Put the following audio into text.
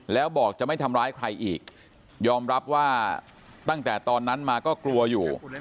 แล้วบอกจะไม่ทำร้ายใครอีกยอมรับว่าตั้งแต่ตอนนั้นมาก็กลัวอยู่